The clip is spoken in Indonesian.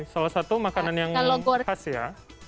salah satu makanan yang khas ya